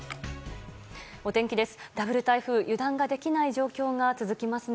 お天気です。